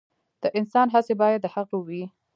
د انسان هڅې باید د هغه وي.